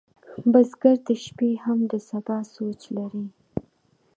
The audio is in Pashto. بزګر د شپې هم د سبا سوچ لري